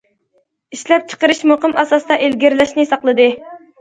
ئىشلەپچىقىرىش مۇقىم ئاساستا ئىلگىرىلەشنى ساقلىدى.